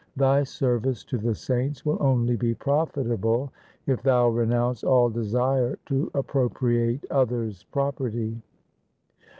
Thy service to the saints will only be profitable if thou renounce all desire to appropriate others' property.'